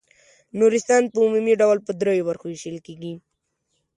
نورستان په عمومي ډول په دریو برخو وېشل کیږي.